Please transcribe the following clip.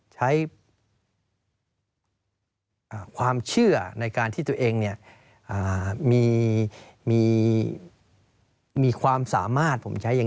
ใช้ความเชื่อในการที่ตัวเองมีความสามารถ